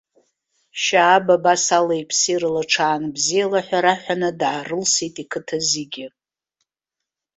Шьааб абас алеи-ԥси рыла ҽаанбзиала ҳәа раҳәаны даарылсит иқыҭа зегьы.